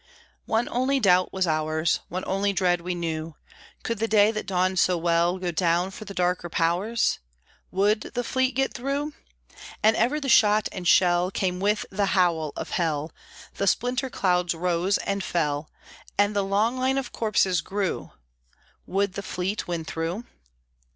One only doubt was ours, One only dread we knew, Could the day that dawned so well Go down for the Darker Powers? Would the fleet get through? And ever the shot and shell Came with the howl of hell, The splinter clouds rose and fell, And the long line of corpses grew, Would the fleet win through?